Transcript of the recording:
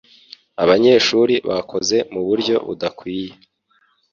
Abanyeshuri bakoze muburyo budakwiye.